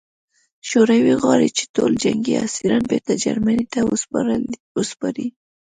شوروي غواړي چې ټول جنګي اسیران بېرته جرمني ته وسپاري